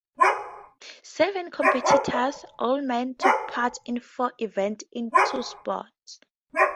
Seven competitors, all men, took part in four events in two sports.